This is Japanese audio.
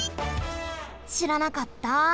しらなかった！